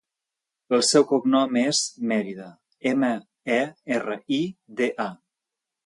El seu cognom és Merida: ema, e, erra, i, de, a.